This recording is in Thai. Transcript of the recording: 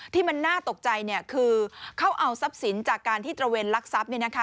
ที่มันน่าตกใจคือเขาเอาทรัพย์สินจากการที่ตระเวนลักทรัพย์